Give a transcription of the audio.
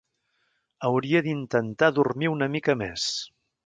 Hauria d'intentar dormir una mica més.